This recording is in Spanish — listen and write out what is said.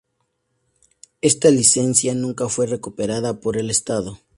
Esta licencia nunca fue recuperada por el Estado.